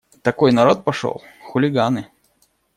Такой народ пошел… хулиганы.